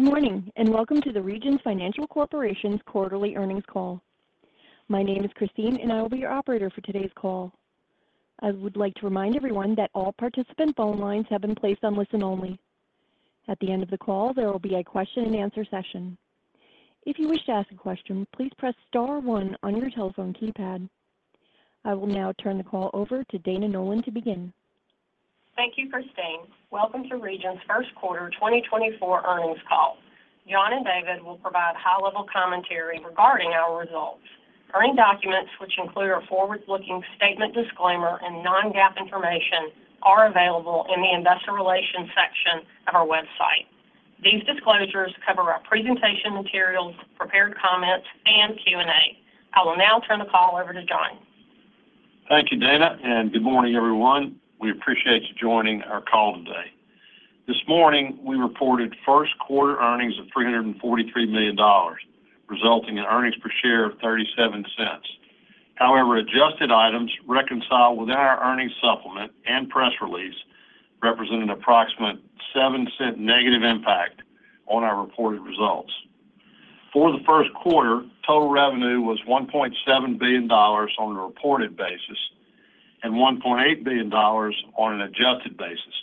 Good morning and welcome to the Regions Financial Corporation's quarterly earnings call. My name is Christine and I will be your operator for today's call. I would like to remind everyone that all participant phone lines have been placed on listen only. At the end of the call there will be a question and answer session. If you wish to ask a question please press star one on your telephone keypad. I will now turn the call over to Dana Nolan to begin. Thank you for staying. Welcome to Regions' first quarter 2024 earnings call. John and David will provide high-level commentary regarding our results. Earnings documents which include a forward-looking statement disclaimer and non-GAAP information are available in the investor relations section of our website. These disclosures cover our presentation materials, prepared comments, and Q&A. I will now turn the call over to John. Thank you Dana and good morning everyone. We appreciate you joining our call today. This morning we reported first quarter earnings of $343 million resulting in earnings per share of $0.37. However, adjusted items reconciled within our earnings supplement and press release represent an approximate $0.07 negative impact on our reported results. For the first quarter total revenue was $1.7 billion on a reported basis and $1.8 billion on an adjusted basis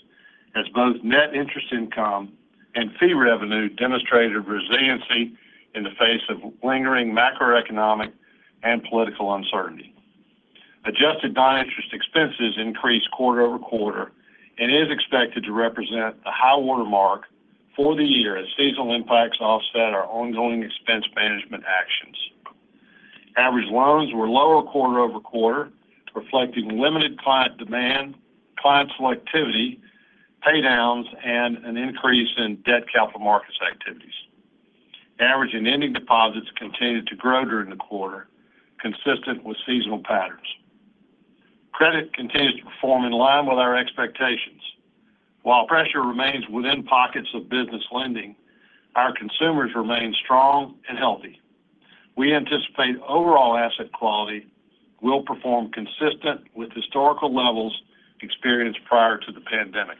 as both net interest income and fee revenue demonstrated resiliency in the face of lingering macroeconomic and political uncertainty. Adjusted noninterest expenses increased quarter-over-quarter and is expected to represent the high watermark for the year as seasonal impacts offset our ongoing expense management actions. Average loans were lower quarter-over-quarter reflecting limited client demand, client selectivity, paydowns, and an increase in debt capital markets activities. Average and ending deposits continued to grow during the quarter, consistent with seasonal patterns. Credit continues to perform in line with our expectations. While pressure remains within pockets of business lending, our consumers remain strong and healthy. We anticipate overall asset quality will perform consistent with historical levels experienced prior to the pandemic.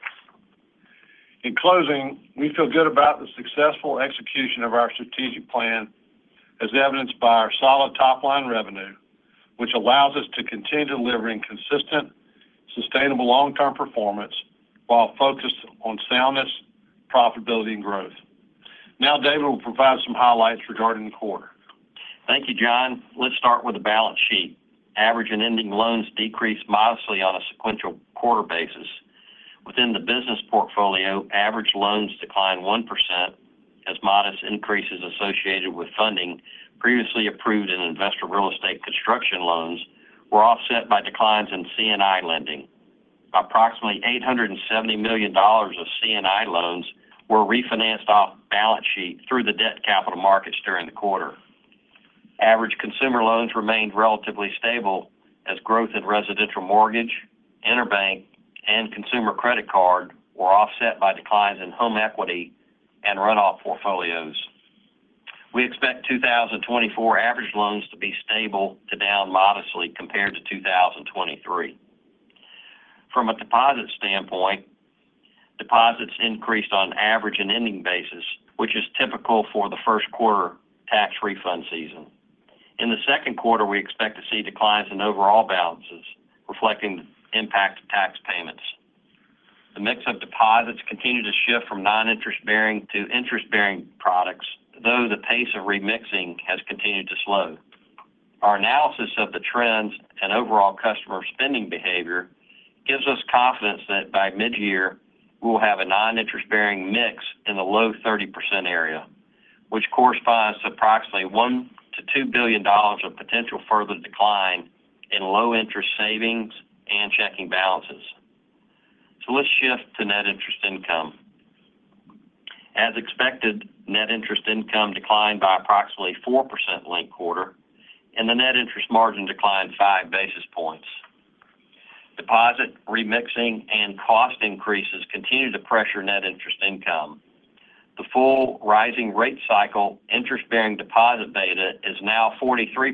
In closing, we feel good about the successful execution of our strategic plan as evidenced by our solid top-line revenue, which allows us to continue delivering consistent, sustainable long-term performance while focused on soundness, profitability, and growth. Now David will provide some highlights regarding the quarter. Thank you John. Let's start with the balance sheet. Average and ending loans decreased modestly on a sequential quarter basis. Within the business portfolio average loans declined 1% as modest increases associated with funding previously approved in investor real estate construction loans were offset by declines in C&I lending. Approximately $870 million of C&I loans were refinanced off balance sheet through the debt capital markets during the quarter. Average consumer loans remained relatively stable as growth in residential mortgage, interbank, and consumer credit card were offset by declines in home equity and runoff portfolios. We expect 2024 average loans to be stable to down modestly compared to 2023. From a deposit standpoint deposits increased on average and ending basis which is typical for the first quarter tax refund season. In the second quarter we expect to see declines in overall balances reflecting the impact of tax payments. The mix of deposits continued to shift from non-interest bearing to interest bearing products though the pace of remixing has continued to slow. Our analysis of the trends and overall customer spending behavior gives us confidence that by mid-year we will have a non-interest bearing mix in the low 30% area which corresponds to approximately $1-$2 billion of potential further decline in low-interest savings and checking balances. So let's shift to net interest income. As expected, net interest income declined by approximately 4% linked quarter and the net interest margin declined five basis points. Deposit, remixing, and cost increases continue to pressure net interest income. The full rising rate cycle interest bearing deposit beta is now 43%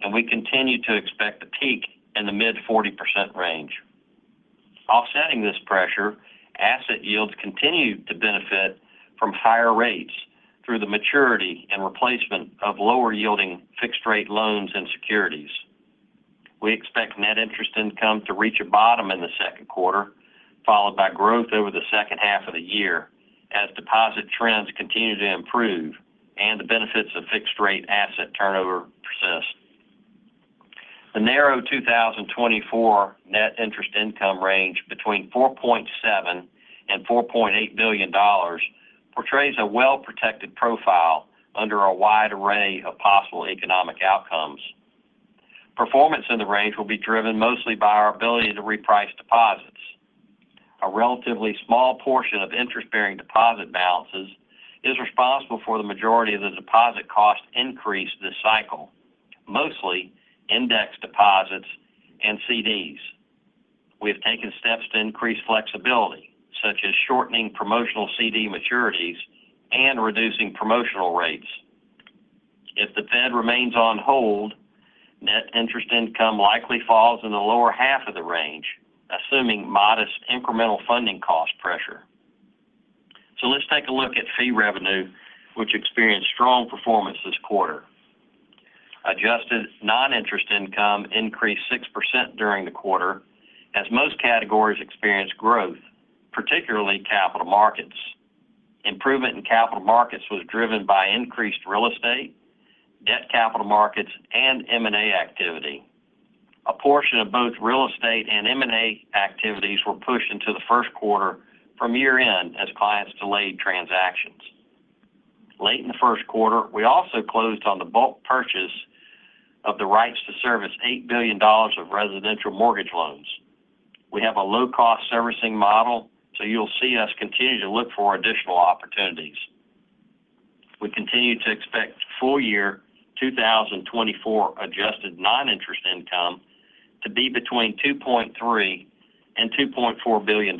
and we continue to expect a peak in the mid-40% range. Offsetting this pressure, asset yields continue to benefit from higher rates through the maturity and replacement of lower-yielding fixed-rate loans and securities. We expect net interest income to reach a bottom in the second quarter, followed by growth over the second half of the year as deposit trends continue to improve and the benefits of fixed-rate asset turnover persist. The narrow 2024 net interest income range between $4.7 and $4.8 billion portrays a well-protected profile under a wide array of possible economic outcomes. Performance in the range will be driven mostly by our ability to reprice deposits. A relatively small portion of interest-bearing deposit balances is responsible for the majority of the deposit cost increase this cycle, mostly index deposits and CDs. We have taken steps to increase flexibility such as shortening promotional CD maturities and reducing promotional rates. If the Fed remains on hold, net interest income likely falls in the lower half of the range, assuming modest incremental funding cost pressure. So let's take a look at fee revenue, which experienced strong performance this quarter. Adjusted non-interest income increased 6% during the quarter as most categories experienced growth, particularly capital markets. Improvement in capital markets was driven by increased real estate, debt capital markets, and M&A activity. A portion of both real estate and M&A activities were pushed into the first quarter from year-end as clients delayed transactions. Late in the first quarter we also closed on the bulk purchase of the rights-to-service $8 billion of residential mortgage loans. We have a low-cost servicing model, so you'll see us continue to look for additional opportunities. We continue to expect full-year 2024 adjusted non-interest income to be between $2.3-$2.4 billion.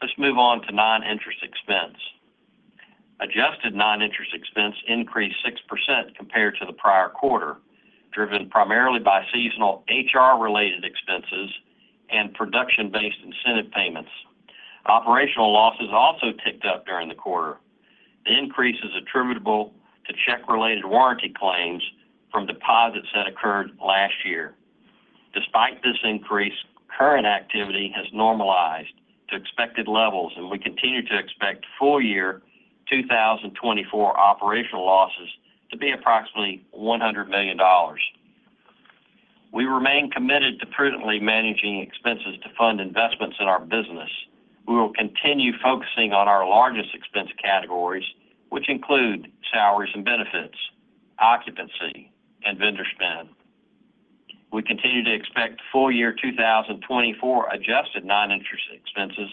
Let's move on to non-interest expense. Adjusted non-interest expense increased 6% compared to the prior quarter driven primarily by seasonal HR-related expenses and production-based incentive payments. Operational losses also ticked up during the quarter. The increase is attributable to check-related warranty claims from deposits that occurred last year. Despite this increase current activity has normalized to expected levels and we continue to expect full-year 2024 operational losses to be approximately $100 million. We remain committed to prudently managing expenses to fund investments in our business. We will continue focusing on our largest expense categories which include salaries and benefits, occupancy, and vendor spend. We continue to expect full-year 2024 adjusted non-interest expenses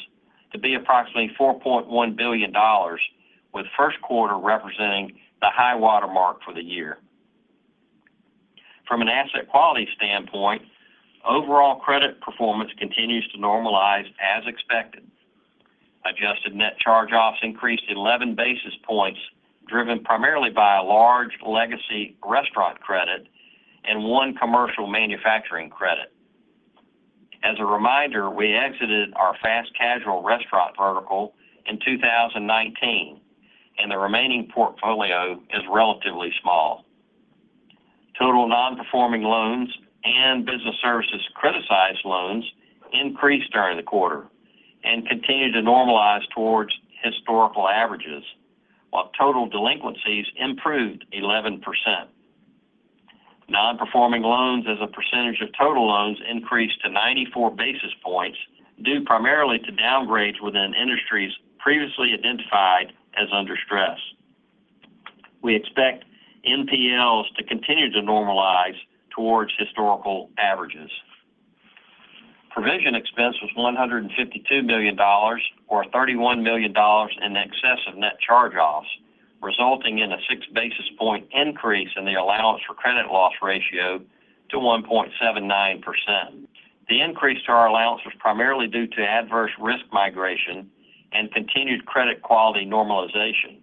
to be approximately $4.1 billion with first quarter representing the high watermark for the year. From an asset quality standpoint overall credit performance continues to normalize as expected. Adjusted net charge-offs increased 11 basis points driven primarily by a large legacy restaurant credit and one commercial manufacturing credit. As a reminder, we exited our fast-casual restaurant vertical in 2019 and the remaining portfolio is relatively small. Total non-performing loans and business services-criticized loans increased during the quarter and continue to normalize towards historical averages while total delinquencies improved 11%. Non-performing loans as a percentage of total loans increased to 94 basis points due primarily to downgrades within industries previously identified as under stress. We expect NPLs to continue to normalize towards historical averages. Provision expense was $152 million or $31 million in excessive net charge-offs resulting in a six basis point increase in the allowance for credit loss ratio to 1.79%. The increase to our allowance was primarily due to adverse risk migration and continued credit quality normalization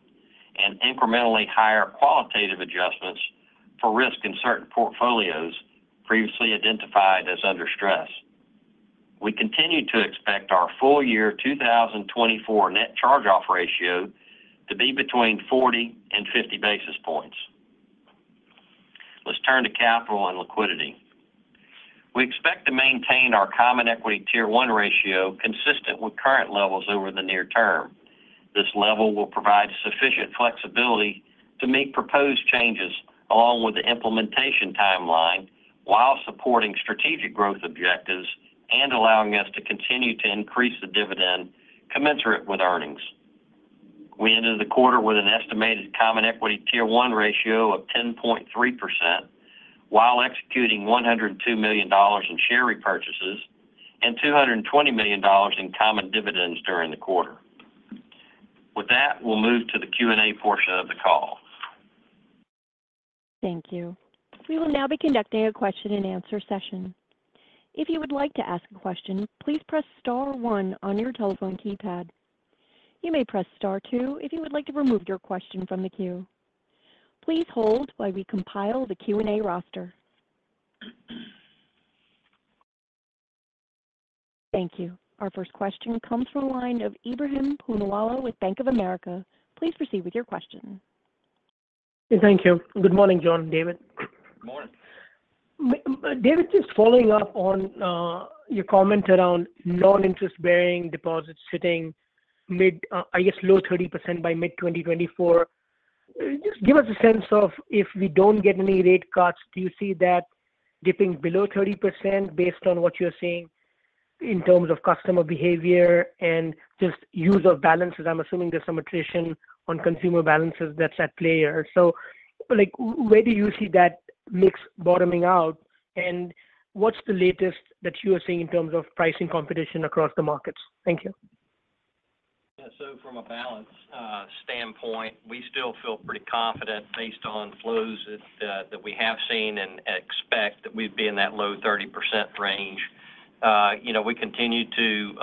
and incrementally higher qualitative adjustments for risk in certain portfolios previously identified as under stress. We continue to expect our full-year 2024 net charge-off ratio to be between 40 and 50 basis points. Let's turn to capital and liquidity. We expect to maintain our Common Equity Tier 1 ratio consistent with current levels over the near term. This level will provide sufficient flexibility to meet proposed changes along with the implementation timeline while supporting strategic growth objectives and allowing us to continue to increase the dividend commensurate with earnings. We ended the quarter with an estimated Common Equity Tier 1 ratio of 10.3% while executing $102 million in share repurchases and $220 million in common dividends during the quarter. With that we'll move to the Q&A portion of the call. Thank you. We will now be conducting a question and answer session. If you would like to ask a question please press star one on your telephone keypad. You may press star two if you would like to remove your question from the queue. Please hold while we compile the Q&A roster. Thank you. Our first question comes from a line of Ebrahim Poonawala with Bank of America. Please proceed with your question. Thank you. Good morning John, David. Good morning. David, just following up on your comment around non-interest bearing deposits sitting mid, I guess, low 30% by mid-2024. Just give us a sense of if we don't get any rate cuts do you see that dipping below 30% based on what you're seeing in terms of customer behavior and just use of balances? I'm assuming there's some attrition on consumer balances that's at play here. So where do you see that mix bottoming out and what's the latest that you are seeing in terms of pricing competition across the markets? Thank you. Yeah. So from a balance standpoint we still feel pretty confident based on flows that we have seen and expect that we'd be in that low 30% range. We continue to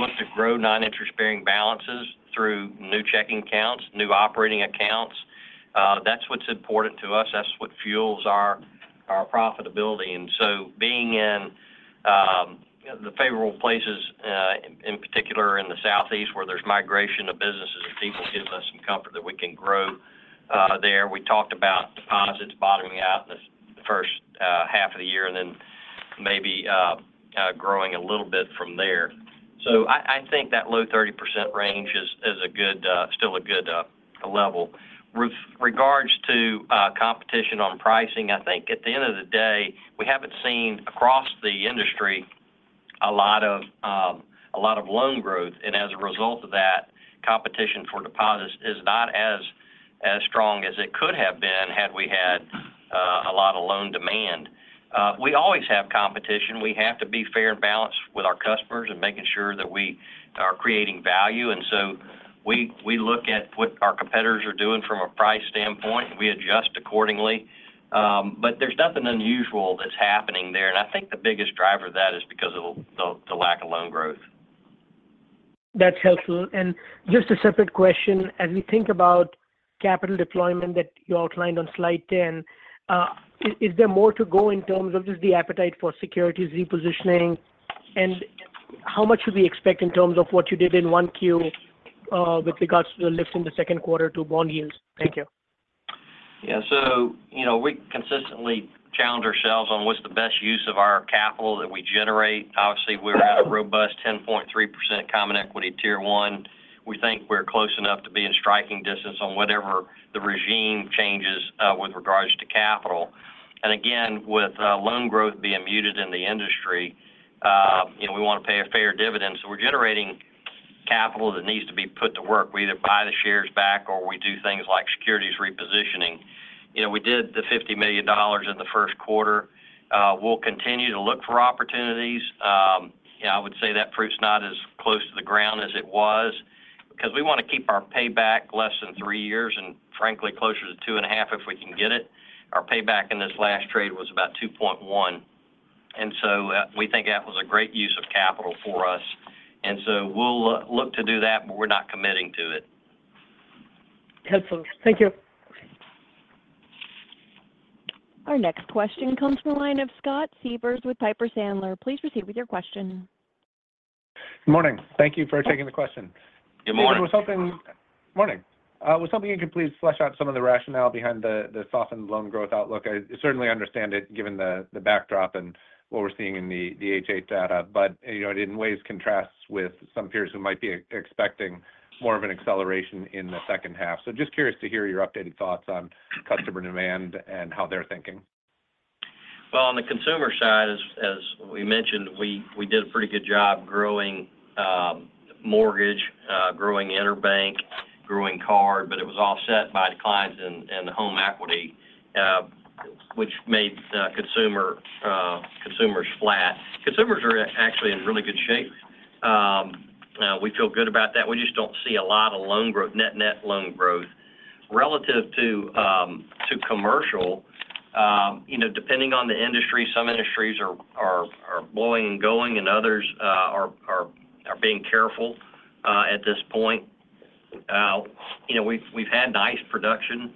look to grow non-interest bearing balances through new checking accounts, new operating accounts. That's what's important to us. That's what fuels our profitability. And so being in the favorable places in particular in the Southeast where there's migration of businesses and people gives us some comfort that we can grow there. We talked about deposits bottoming out in the first half of the year and then maybe growing a little bit from there. So I think that low 30% range is still a good level. With regards to competition on pricing, I think at the end of the day we haven't seen across the industry a lot of loan growth, and as a result of that, competition for deposits is not as strong as it could have been had we had a lot of loan demand. We always have competition. We have to be fair and balanced with our customers and making sure that we are creating value. And so we look at what our competitors are doing from a price standpoint, and we adjust accordingly. But there's nothing unusual that's happening there, and I think the biggest driver of that is because of the lack of loan growth. That's helpful. Just a separate question as we think about capital deployment that you outlined on slide 10: is there more to go in terms of just the appetite for securities repositioning, and how much should we expect in terms of what you did in Q1 with regards to the lift in the second quarter to bond yields? Thank you. Yeah. So we consistently challenge ourselves on what's the best use of our capital that we generate. Obviously we're at a robust 10.3% Common Equity Tier 1. We think we're close enough to be in striking distance on whatever the regime changes with regards to capital. And again with loan growth being muted in the industry we want to pay a fair dividend. So we're generating capital that needs to be put to work. We either buy the shares back or we do things like securities repositioning. We did the $50 million in the first quarter. We'll continue to look for opportunities. I would say that fruit's not as close to the ground as it was because we want to keep our payback less than three years and frankly closer to two and a half if we can get it. Our payback in this last trade was about 2.1 and so we think that was a great use of capital for us. And so we'll look to do that but we're not committing to it. Helpful. Thank you. Our next question comes from a line of Scott Siefers with Piper Sandler. Please proceed with your question. Good morning. Thank you for taking the question. Good morning. David, good morning. I was hoping you could please flesh out some of the rationale behind the softened loan growth outlook. I certainly understand it given the backdrop and what we're seeing in the H.8 data, but it, in ways, contrasts with some peers who might be expecting more of an acceleration in the second half. So just curious to hear your updated thoughts on customer demand and how they're thinking. Well, on the consumer side, as we mentioned, we did a pretty good job growing mortgage, growing Interbank, growing card, but it was offset by declines in home equity, which made consumers flat. Consumers are actually in really good shape. We feel good about that. We just don't see a lot of loan growth, net-net loan growth relative to commercial. Depending on the industry, some industries are blowing and going and others are being careful at this point. We've had nice production,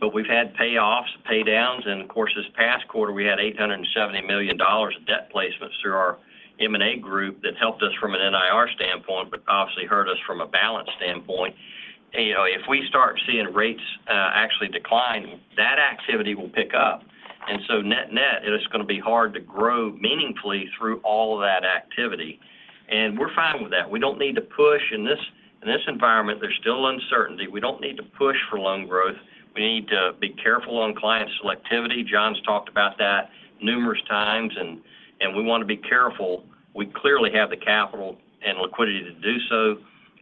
but we've had payoffs, paydowns, and of course this past quarter we had $870 million of debt placements through our M&A group that helped us from an NIR standpoint but obviously hurt us from a balance standpoint. If we start seeing rates actually decline, that activity will pick up. Net-net, it's going to be hard to grow meaningfully through all of that activity, and we're fine with that. We don't need to push in this environment. There's still uncertainty. We don't need to push for loan growth. We need to be careful on client selectivity. John's talked about that numerous times, and we want to be careful. We clearly have the capital and liquidity to do so,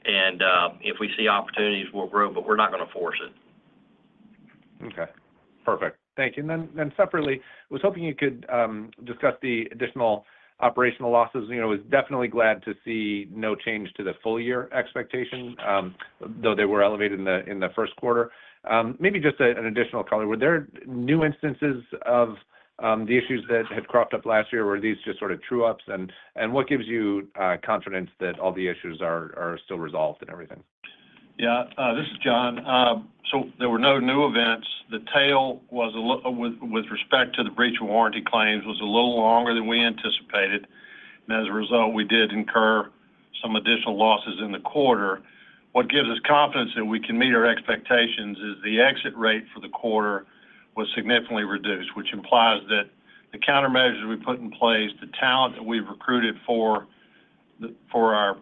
and if we see opportunities, we'll grow, but we're not going to force it. Okay. Perfect. Thank you. And then separately I was hoping you could discuss the additional operational losses. I was definitely glad to see no change to the full-year expectation though they were elevated in the first quarter. Maybe just an additional color. Were there new instances of the issues that had cropped up last year or were these just sort of true-ups and what gives you confidence that all the issues are still resolved and everything? Yeah. This is John. So there were no new events. The tail with respect to the breach of warranty claims was a little longer than we anticipated and as a result we did incur some additional losses in the quarter. What gives us confidence that we can meet our expectations is the exit rate for the quarter was significantly reduced which implies that the countermeasures we put in place, the talent that we've recruited for our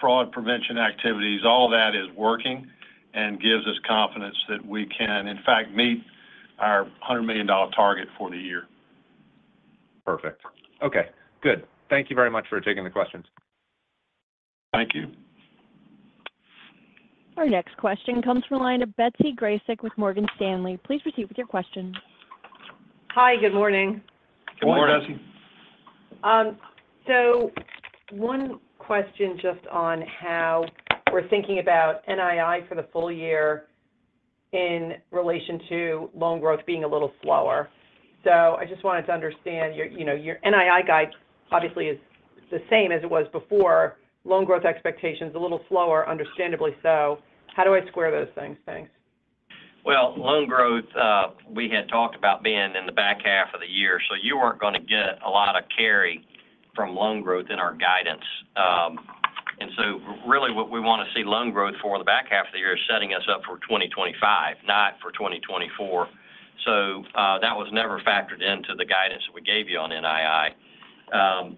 fraud prevention activities, all of that is working and gives us confidence that we can in fact meet our $100 million target for the year. Perfect. Okay. Good. Thank you very much for taking the questions. Thank you. Our next question comes from a line of Betsy Graseck with Morgan Stanley. Please proceed with your question. Hi. Good morning. Good morning, Betsy. So one question just on how we're thinking about NII for the full year in relation to loan growth being a little slower. So I just wanted to understand your NII guide obviously is the same as it was before. Loan growth expectations a little slower, understandably so. How do I square those things? Thanks. Well, loan growth we had talked about being in the back half of the year so you weren't going to get a lot of carry from loan growth in our guidance. So really what we want to see loan growth for the back half of the year is setting us up for 2025 not for 2024. So that was never factored into the guidance that we gave you on NII.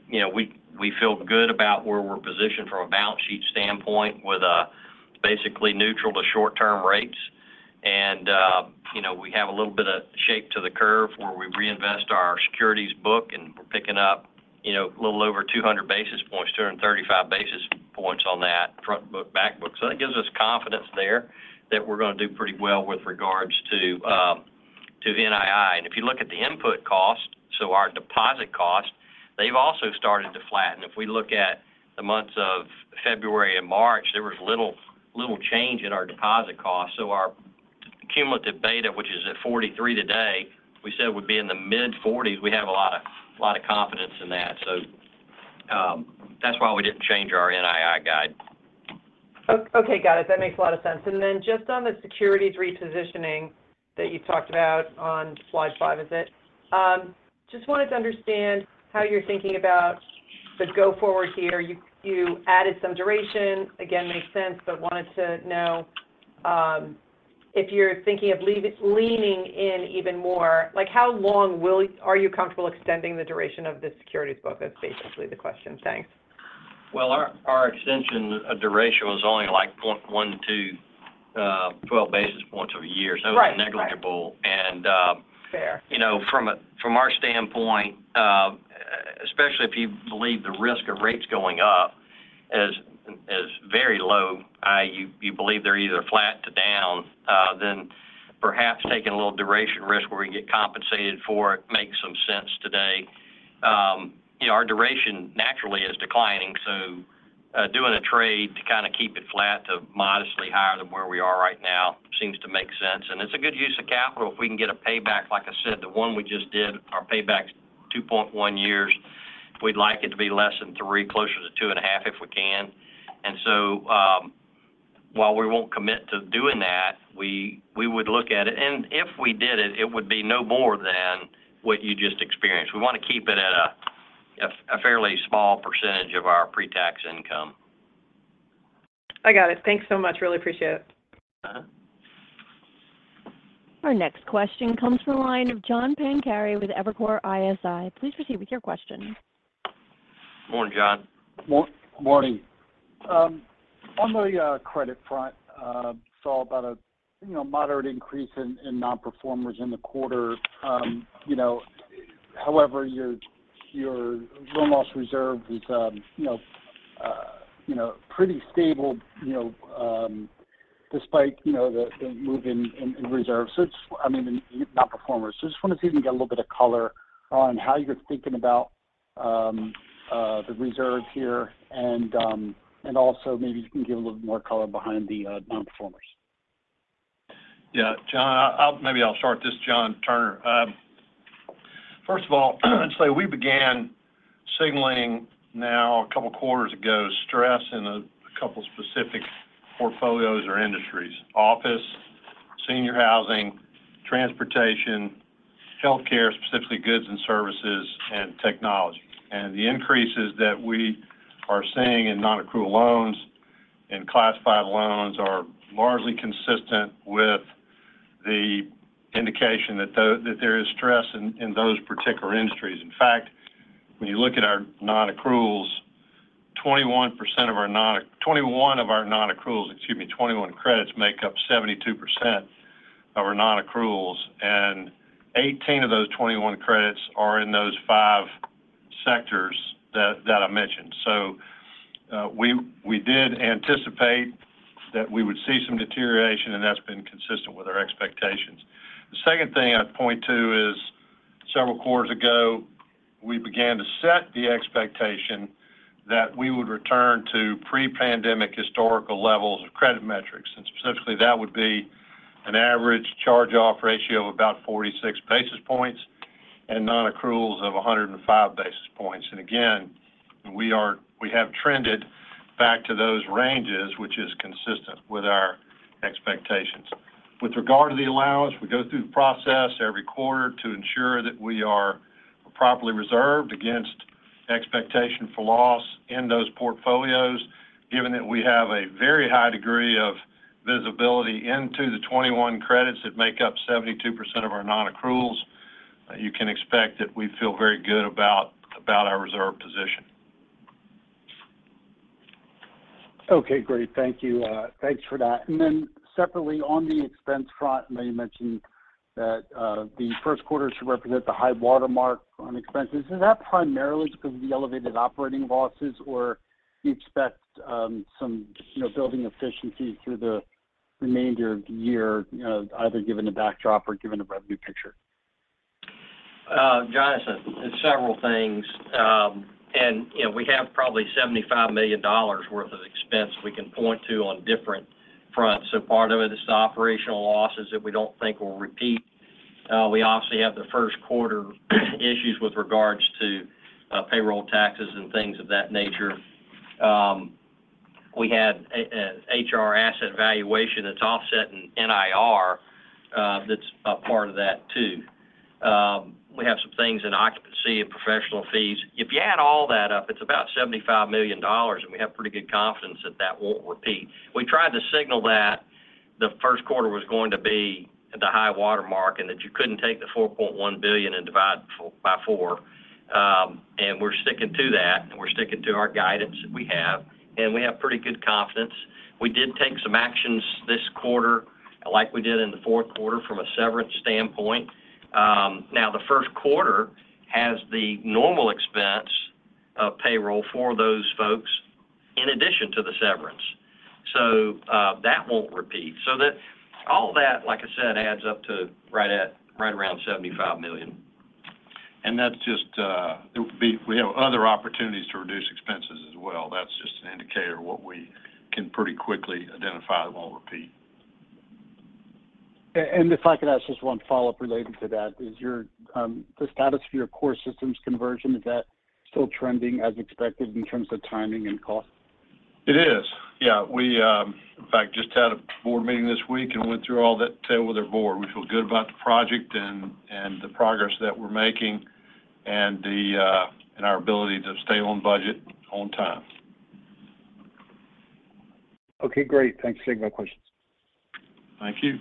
We feel good about where we're positioned from a balance sheet standpoint with basically neutral to short-term rates and we have a little bit of shape to the curve where we reinvest our securities book and we're picking up a little over 200 basis points, 235 basis points on that front book, back book. So that gives us confidence there that we're going to do pretty well with regards to NII. If you look at the input cost, so our deposit cost, they've also started to flatten. If we look at the months of February and March, there was little change in our deposit cost. So our cumulative beta, which is at 43 today, we said would be in the mid-40s. We have a lot of confidence in that. So that's why we didn't change our NII guide. Okay. Got it. That makes a lot of sense. And then just on the securities repositioning that you talked about on slide 5 is it? Just wanted to understand how you're thinking about the go-forward here. You added some duration. Again makes sense but wanted to know if you're thinking of leaning in even more how long are you comfortable extending the duration of the securities book? That's basically the question. Thanks. Well, our extension duration was only like 0.12 basis points of a year. So it was negligible. And from our standpoint, especially if you believe the risk of rates going up is very low, i.e., you believe they're either flat to down, then perhaps taking a little duration risk where we get compensated for it makes some sense today. Our duration naturally is declining, so doing a trade to kind of keep it flat to modestly higher than where we are right now seems to make sense. And it's a good use of capital if we can get a payback like I said, the one we just did, our payback's 2.1 years. We'd like it to be less than 3, closer to 2.5 if we can. And so while we won't commit to doing that, we would look at it and if we did it it would be no more than what you just experienced. We want to keep it at a fairly small percentage of our pre-tax income. I got it. Thanks so much. Really appreciate it. Our next question comes from a line of John Pancari with Evercore ISI. Please proceed with your question. Morning, John. Morning. On the credit front, saw about a moderate increase in non-performers in the quarter. However, your loan loss reserve is pretty stable despite the move in reserves. I mean non-performers. So I just wanted to see if you can get a little bit of color on how you're thinking about the reserve here and also maybe you can give a little bit more color behind the non-performers. Yeah. John, maybe I'll start this. John Turner. First of all, I'd say we began signaling now a couple quarters ago stress in a couple specific portfolios or industries: office, senior housing, transportation, healthcare, specifically goods and services, and technology. And the increases that we are seeing in non-accrual loans and classified loans are largely consistent with the indication that there is stress in those particular industries. In fact, when you look at our non-accruals, 21% of our non-accruals excuse me, 21 credits make up 72% of our non-accruals and 18 of those 21 credits are in those five sectors that I mentioned. So we did anticipate that we would see some deterioration and that's been consistent with our expectations. The second thing I'd point to is several quarters ago we began to set the expectation that we would return to pre-pandemic historical levels of credit metrics and specifically that would be an average charge-off ratio of about 46 basis points and non-accruals of 105 basis points. And again we have trended back to those ranges which is consistent with our expectations. With regard to the allowance, we go through the process every quarter to ensure that we are properly reserved against expectation for loss in those portfolios. Given that we have a very high degree of visibility into the 21 credits that make up 72% of our non-accruals, you can expect that we feel very good about our reserve position. Okay. Great. Thank you. Thanks for that. And then separately on the expense front, I know you mentioned that the first quarter should represent the high watermark on expenses. Is that primarily because of the elevated operating losses or do you expect some building efficiencies through the remainder of the year either given a backdrop or given a revenue picture? Jonathan, it's several things. We have probably $75 million worth of expense we can point to on different fronts. So part of it is the operational losses that we don't think will repeat. We obviously have the first quarter issues with regards to payroll taxes and things of that nature. We had HR asset valuation that's offset in NIR that's a part of that too. We have some things in occupancy and professional fees. If you add all that up, it's about $75 million and we have pretty good confidence that that won't repeat. We tried to signal that the first quarter was going to be the high watermark and that you couldn't take the $4.1 billion and divide by 4. We're sticking to that and we're sticking to our guidance that we have and we have pretty good confidence. We did take some actions this quarter like we did in the fourth quarter from a severance standpoint. Now the first quarter has the normal expense of payroll for those folks in addition to the severance. So that won't repeat. So all that, like I said, adds up to right around $75 million. And that's just we have other opportunities to reduce expenses as well. That's just an indicator of what we can pretty quickly identify that won't repeat. If I could ask just one follow-up related to that. The status of your core systems conversion, is that still trending as expected in terms of timing and cost? It is. Yeah. We in fact just had a board meeting this week and went through all that detail with our board. We feel good about the project and the progress that we're making and our ability to stay on budget on time. Okay. Great. Thanks for taking my questions. Thank you.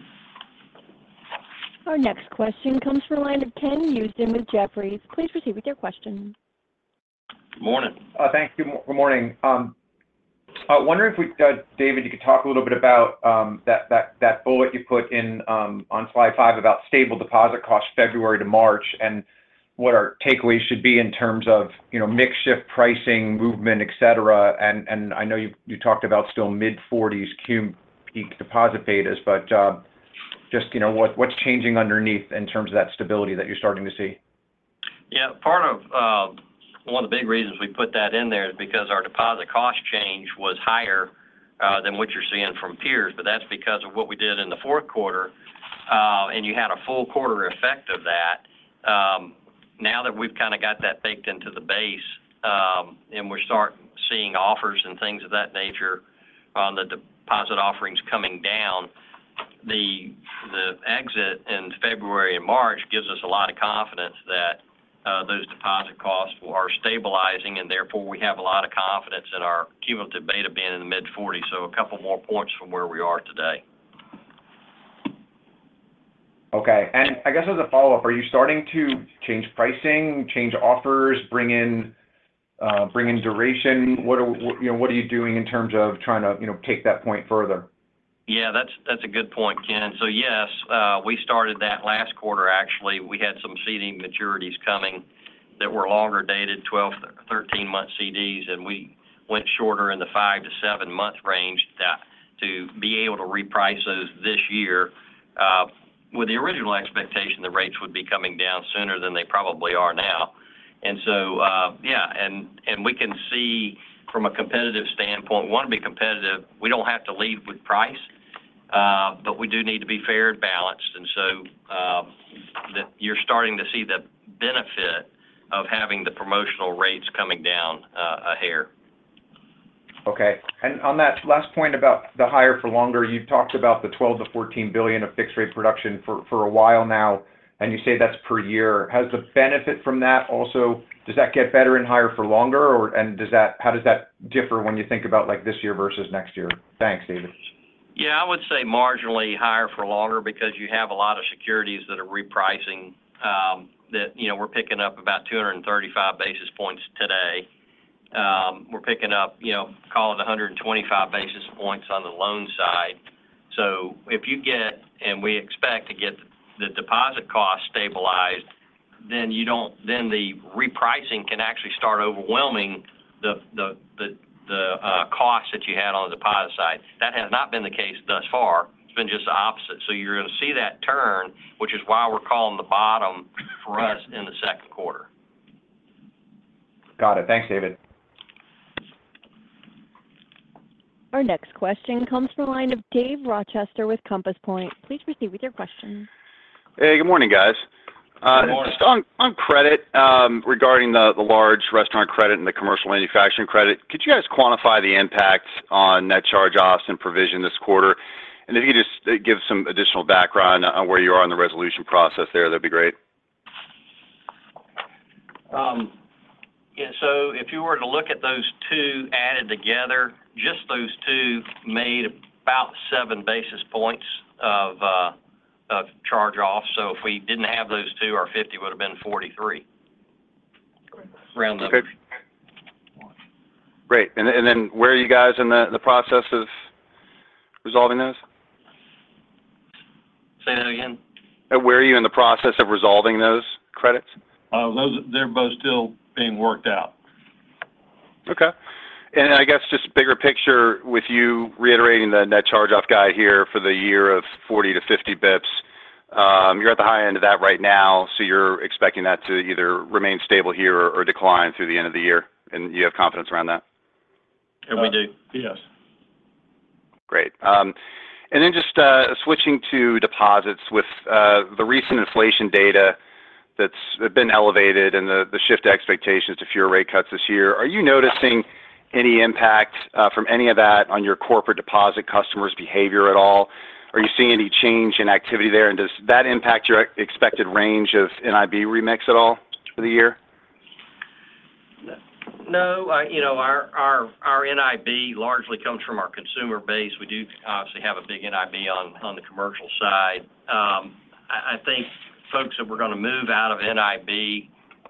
Our next question comes from a line of Ken Usdin with Jefferies. Please proceed with your question. Good morning. Thank you. Good morning. I was wondering if David, you could talk a little bit about that bullet you put on slide 5 about stable deposit costs February to March and what our takeaways should be in terms of mixed shift pricing movement, etc.? And I know you talked about still mid-40s cum peak deposit betas but just what's changing underneath in terms of that stability that you're starting to see? Yeah. Part of one of the big reasons we put that in there is because our deposit cost change was higher than what you're seeing from peers, but that's because of what we did in the fourth quarter and you had a full quarter effect of that. Now that we've kind of got that baked into the base and we're starting to see offers and things of that nature on the deposit offerings coming down, the exit in February and March gives us a lot of confidence that those deposit costs are stabilizing and therefore we have a lot of confidence in our cumulative beta being in the mid-40s. So a couple more points from where we are today. Okay. I guess as a follow-up, are you starting to change pricing, change offers, bring in duration? What are you doing in terms of trying to take that point further? Yeah. That's a good point, Ken. So yes, we started that last quarter actually. We had some CD maturities coming that were longer dated, 12- or 13-month CDs, and we went shorter in the 5- to 7-month range to be able to reprice those this year with the original expectation the rates would be coming down sooner than they probably are now. And so yeah. And we can see from a competitive standpoint, we want to be competitive. We don't have to lead with price but we do need to be fair and balanced. And so you're starting to see the benefit of having the promotional rates coming down a hair. Okay. And on that last point about the higher for longer, you've talked about the $12 billion-$14 billion of fixed-rate production for a while now and you say that's per year. Has the benefit from that also does that get better and higher for longer and how does that differ when you think about this year versus next year? Thanks, David. Yeah. I would say marginally higher for longer because you have a lot of securities that are repricing that we're picking up about 235 basis points today. We're picking up, call it, 125 basis points on the loan side. So if you get and we expect to get the deposit cost stabilized, then the repricing can actually start overwhelming the cost that you had on the deposit side. That has not been the case thus far. It's been just the opposite. So you're going to see that turn, which is why we're calling the bottom for us in the second quarter. Got it. Thanks, David. Our next question comes from a line of Dave Rochester with Compass Point. Please proceed with your question. Hey. Good morning, guys. Good morning. Just on credit regarding the large restaurant credit and the commercial manufacturing credit, could you guys quantify the impact on net charge-offs and provision this quarter? If you could just give some additional background on where you are in the resolution process there, that'd be great. Yeah. If you were to look at those two added together, just those two made about 7 basis points of charge-off. If we didn't have those two, our 50 would have been 43 around then. Great. Where are you guys in the process of resolving those? Say that again. Where are you in the process of resolving those credits? They're both still being worked out. Okay. I guess just bigger picture with you reiterating the net charge-off guide here for the year of 40-50 bps, you're at the high end of that right now. You're expecting that to either remain stable here or decline through the end of the year and you have confidence around that? We do. Yes. Great. Then just switching to deposits, with the recent inflation data that's been elevated and the shift in expectations to fewer rate cuts this year, are you noticing any impact from any of that on your corporate deposit customers' behavior at all? Are you seeing any change in activity there and does that impact your expected range of NIB remix at all for the year? No. Our NIB largely comes from our consumer base. We do obviously have a big NIB on the commercial side. I think folks that were going to move out of NIB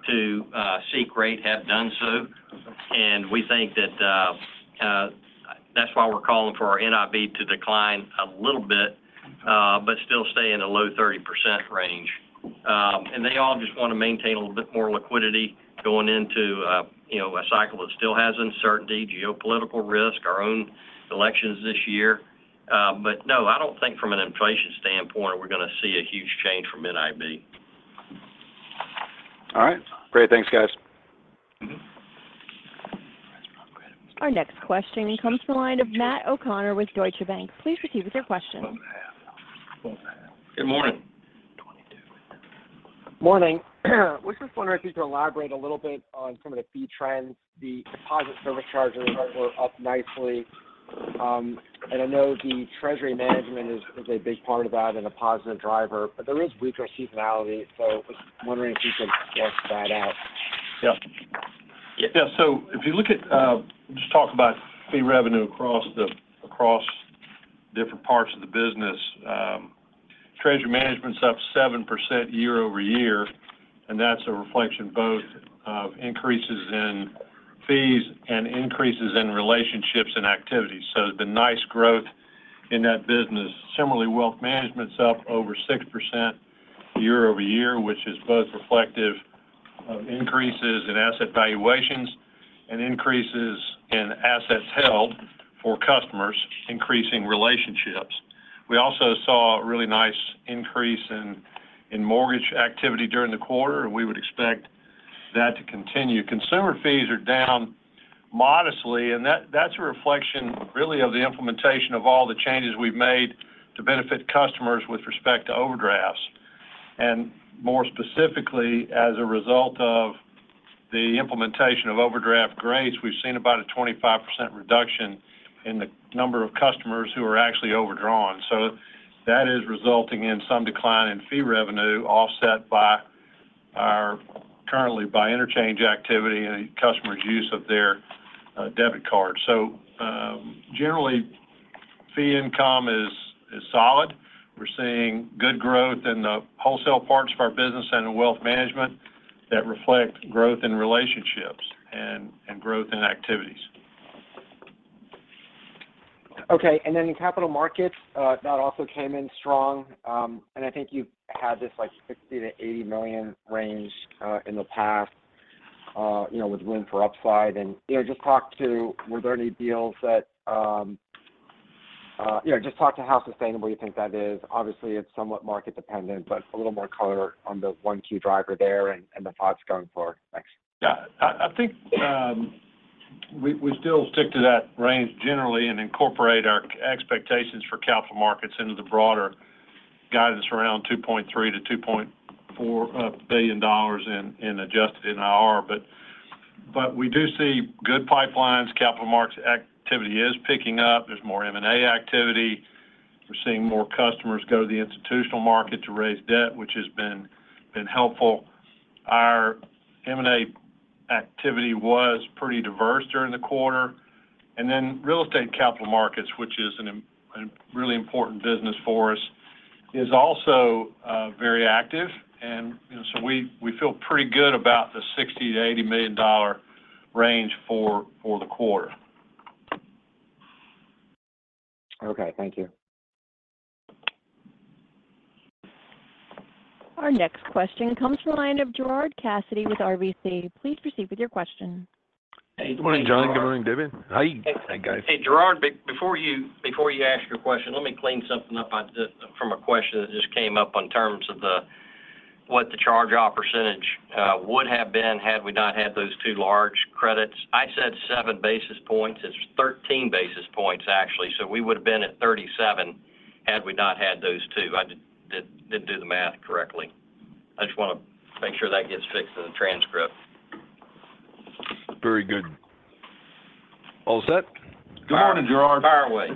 to seek rate have done so and we think that that's why we're calling for our NIB to decline a little bit but still stay in the low 30% range. And they all just want to maintain a little bit more liquidity going into a cycle that still has uncertainty, geopolitical risk, our own elections this year. But no, I don't think from an inflation standpoint we're going to see a huge change from NIB. All right. Great. Thanks, guys. Our next question comes from a line of Matt O'Connor with Deutsche Bank. Please proceed with your question. Good morning. Morning. I was just wondering if you could elaborate a little bit on some of the fee trends. The deposit service charges were up nicely and I know the treasury management is a big part of that and a positive driver but there is weaker seasonality. So I was wondering if you could flesh that out? Yeah. Yeah. So if you look at just talk about fee revenue across different parts of the business, treasury management's up 7% year-over-year and that's a reflection both of increases in fees and increases in relationships and activities. So there's been nice growth in that business. Similarly, wealth management's up over 6% year-over-year which is both reflective of increases in asset valuations and increases in assets held for customers, increasing relationships. We also saw a really nice increase in mortgage activity during the quarter and we would expect that to continue. Consumer fees are down modestly and that's a reflection really of the implementation of all the changes we've made to benefit customers with respect to overdrafts. And more specifically, as a result of the implementation of overdraft grades, we've seen about a 25% reduction in the number of customers who are actually overdrawn. That is resulting in some decline in fee revenue offset currently by interchange activity and customers' use of their debit cards. Generally, fee income is solid. We're seeing good growth in the wholesale parts of our business and in wealth management that reflect growth in relationships and growth in activities. Okay. Then in capital markets, that also came in strong, and I think you've had this $60 million-$80 million range in the past with room for upside. Just talk to were there any deals that just talk to how sustainable you think that is. Obviously, it's somewhat market-dependent, but a little more color on the one key driver there and the thoughts going forward. Thanks. Yeah. I think we still stick to that range generally and incorporate our expectations for capital markets into the broader guidance around $2.3 billion-$2.4 billion in adjusted NIR but we do see good pipelines. Capital markets activity is picking up. There's more M&A activity. We're seeing more customers go to the institutional market to raise debt which has been helpful. Our M&A activity was pretty diverse during the quarter. And then real estate capital markets, which is a really important business for us, is also very active and so we feel pretty good about the $60 million-$80 million range for the quarter. Okay. Thank you. Our next question comes from a line of Gerard Cassidy with RBC. Please proceed with your question. Hey. Good morning, John. Good morning, David. How are you, guys. Hey, Gerard. Before you ask your question, let me clean something up from a question that just came up in terms of what the charge-off percentage would have been had we not had those two large credits. I said 7 basis points. It's 13 basis points actually. So we would have been at 37 had we not had those two. I didn't do the math correctly. I just want to make sure that gets fixed in the transcript. Very good. All set. Good morning, Gerard. Fire away.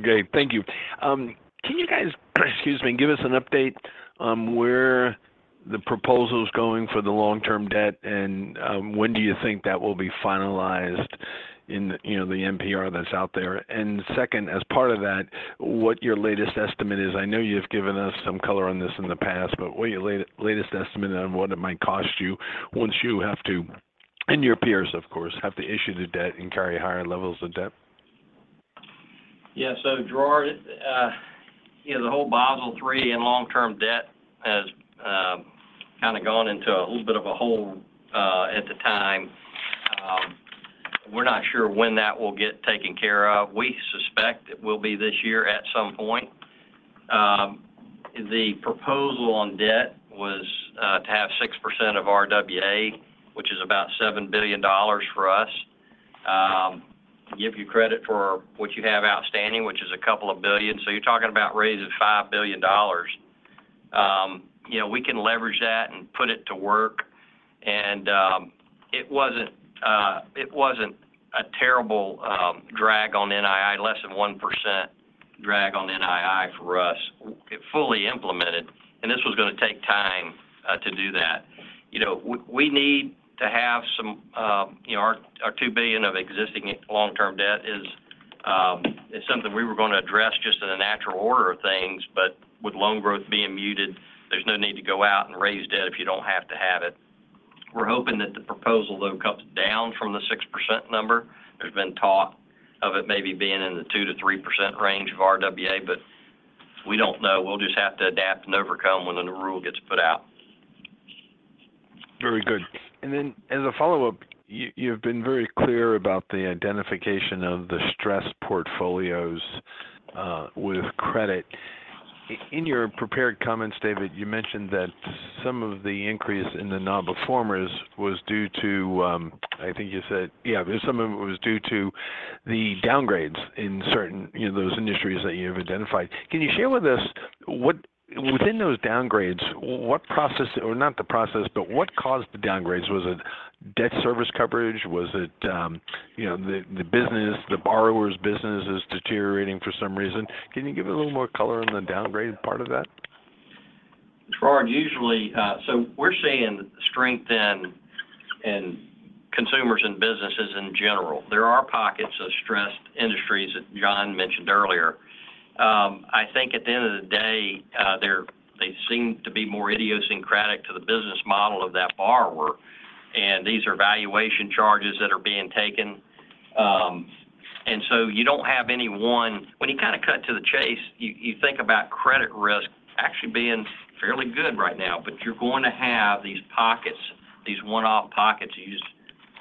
Okay. Thank you. Can you guys, excuse me, give us an update on where the proposal's going for the long-term debt and when do you think that will be finalized in the NPR that's out there? And second, as part of that, what your latest estimate is, I know you've given us some color on this in the past, but what your latest estimate on what it might cost you once you have to, and your peers of course, have to issue the debt and carry higher levels of debt? Yeah. So Gerard, the whole Basel III and long-term debt has kind of gone into a little bit of a hole at the time. We're not sure when that will get taken care of. We suspect it will be this year at some point. The proposal on debt was to have 6% of RWA which is about $7 billion for us. Give you credit for what you have outstanding which is $2 billion. So you're talking about raises of $5 billion. We can leverage that and put it to work and it wasn't a terrible drag on NII, less than 1% drag on NII for us fully implemented. And this was going to take time to do that. We need to have some of our $2 billion of existing long-term debt is something we were going to address just in a natural order of things, but with loan growth being muted, there's no need to go out and raise debt if you don't have to have it. We're hoping that the proposal, though, comes down from the 6% number. There's been talk of it maybe being in the 2%-3% range of RWA, but we don't know. We'll just have to adapt and overcome when the new rule gets put out. Very good. And then, as a follow-up, you've been very clear about the identification of the stress portfolios with credit. In your prepared comments, David, you mentioned that some of the increase in the non-performers was due to, I think you said, yeah, some of it was due to the downgrades in certain those industries that you have identified. Can you share with us, within those downgrades, what process or not the process but what caused the downgrades? Was it debt service coverage? Was it the business, the borrower's business is deteriorating for some reason? Can you give a little more color on the downgrade part of that? Gerard, usually so we're seeing strengthen in consumers and businesses in general. There are pockets of stressed industries that John mentioned earlier. I think at the end of the day, they seem to be more idiosyncratic to the business model of that borrower and these are valuation charges that are being taken. And so you don't have any one when you kind of cut to the chase, you think about credit risk actually being fairly good right now but you're going to have these pockets, these one-off pockets.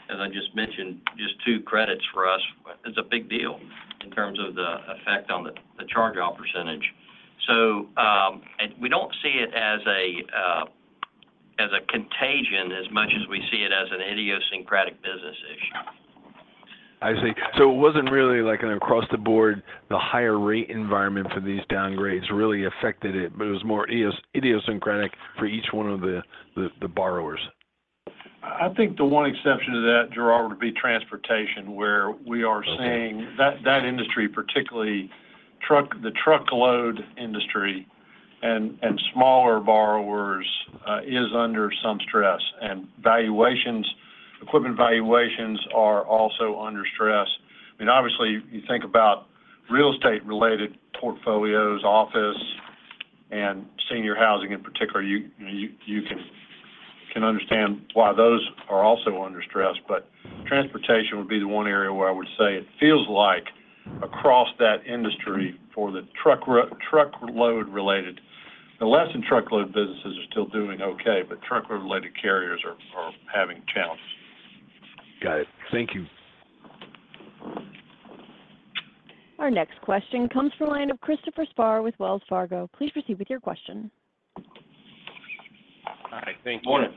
As I just mentioned, just two credits for us is a big deal in terms of the effect on the charge-off percentage. So we don't see it as a contagion as much as we see it as an idiosyncratic business issue. I see. So it wasn't really like an across-the-board the higher rate environment for these downgrades really affected it but it was more idiosyncratic for each one of the borrowers? I think the one exception to that, Gerard, would be transportation where we are seeing that industry, particularly the truckload industry and smaller borrowers, is under some stress and equipment valuations are also under stress. I mean, obviously, you think about real estate-related portfolios, office, and senior housing in particular, you can understand why those are also under stress. But transportation would be the one area where I would say it feels like across that industry for the truckload-related, the less-than-truckload businesses are still doing okay but truckload-related carriers are having challenges. Got it. Thank you. Our next question comes from a line of Christopher Spahr with Wells Fargo. Please proceed with your question. All right. Thank you. Good morning.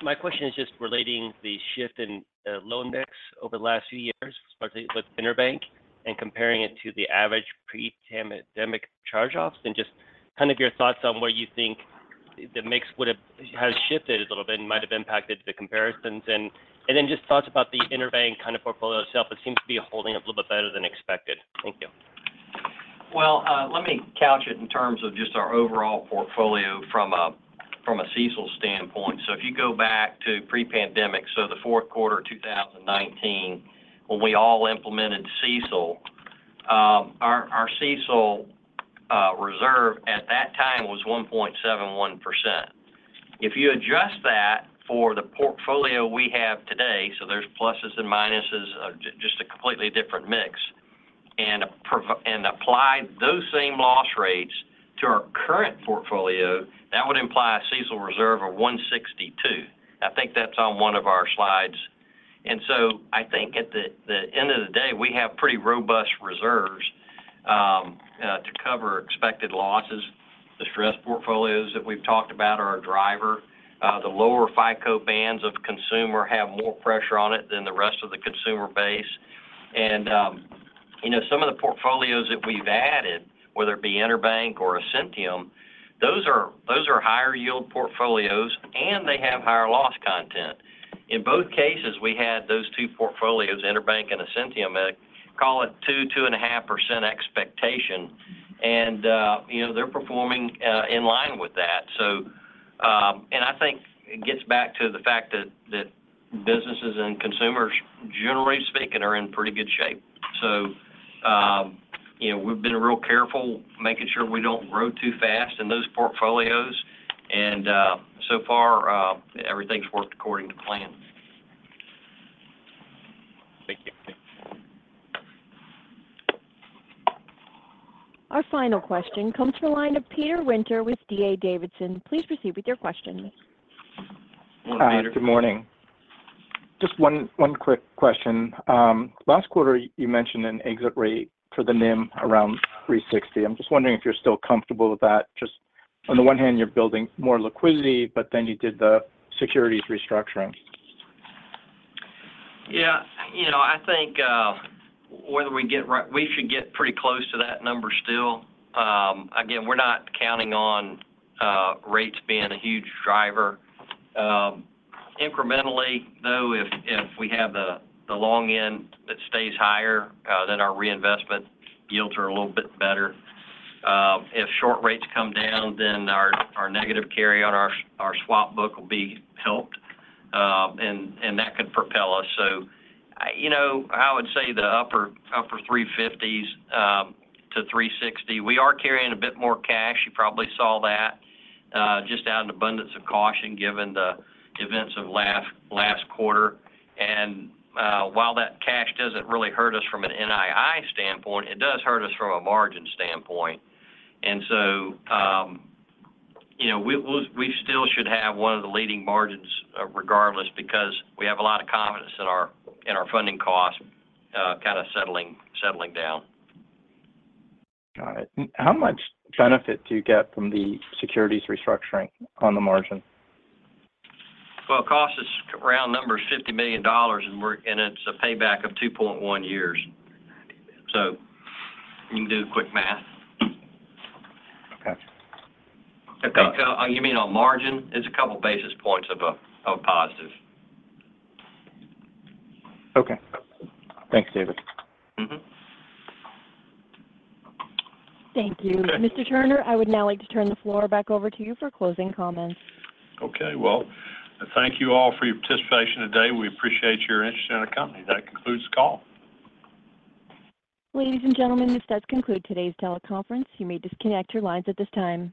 My question is just relating the shift in loan mix over the last few years with Interbank and comparing it to the average pre-pandemic charge-offs and just kind of your thoughts on where you think the mix has shifted a little bit and might have impacted the comparisons. Then just thoughts about the Interbank kind of portfolio itself. It seems to be holding up a little bit better than expected. Thank you. Well, let me couch it in terms of just our overall portfolio from a CECL standpoint. So if you go back to pre-pandemic, so the fourth quarter of 2019 when we all implemented CECL, our CECL reserve at that time was 1.71%. If you adjust that for the portfolio we have today so there's pluses and minuses, just a completely different mix, and apply those same loss rates to our current portfolio, that would imply a CECL reserve of 1.62%. I think that's on one of our slides. And so I think at the end of the day, we have pretty robust reserves to cover expected losses. The stress portfolios that we've talked about are a driver. The lower FICO bands of consumer have more pressure on it than the rest of the consumer base. Some of the portfolios that we've added, whether it be Interbank or Ascentium, those are higher-yield portfolios and they have higher loss content. In both cases, we had those two portfolios, Interbank and Ascentium, call it 2, 2.5% expectation and they're performing in line with that. And I think it gets back to the fact that businesses and consumers, generally speaking, are in pretty good shape. So we've been real careful making sure we don't grow too fast in those portfolios and so far, everything's worked according to plan. Thank you. Our final question comes from a line of Peter Winter with D.A. Davidson. Please proceed with your question. Good morning. Just one quick question. Last quarter, you mentioned an exit rate for the NIM around 360. I'm just wondering if you're still comfortable with that. Just on the one hand, you're building more liquidity but then you did the securities restructuring. Yeah. I think whether we should get pretty close to that number still. Again, we're not counting on rates being a huge driver. Incrementally, though, if we have the long end that stays higher, then our reinvestment yields are a little bit better. If short rates come down, then our negative carry on our swap book will be helped and that could propel us. So I would say the upper 350s-360. We are carrying a bit more cash. You probably saw that just out in abundance of caution given the events of last quarter. And while that cash doesn't really hurt us from an NII standpoint, it does hurt us from a margin standpoint. And so we still should have one of the leading margins regardless because we have a lot of confidence in our funding costs kind of settling down. Got it. How much benefit do you get from the securities restructuring on the margin? Well, cost is around $50 million and it's a payback of 2.1 years. So you can do a quick math. Okay. Okay. You mean on margin? It's a couple of basis points of a positive. Okay. Thanks, David. Thank you. Mr. Turner, I would now like to turn the floor back over to you for closing comments. Okay. Well, thank you all for your participation today. We appreciate your interest in our company. That concludes the call. Ladies and gentlemen, this does conclude today's teleconference. You may disconnect your lines at this time.